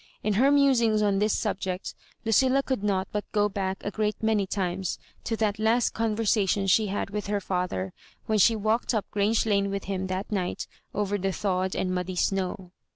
In her musings on this subject, Lucilla could not but go back a great many times to that last conversation she had with her &ther, when she walked up Grange Lane with him that night over the thawed and muddy snow.